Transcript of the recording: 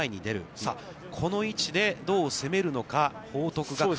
さあ、この位置でどう攻めるのか、報徳学園。